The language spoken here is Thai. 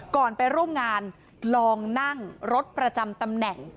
ไปร่วมงานลองนั่งรถประจำตำแหน่ง